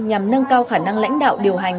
nhằm nâng cao khả năng lãnh đạo điều hành